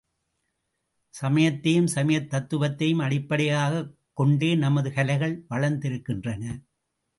சமயத்தையும் சமயத் தத்துவத்தையும் அடிப்படையாகக் கொண்டே நமது கலைகள் வளர்ந்திருக்கின்றன.